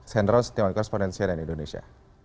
hendrawan setiawan korespondensi ann indonesia